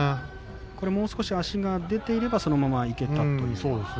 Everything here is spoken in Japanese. これもう少し足が出ていればそのままいけたうーん、そうですね。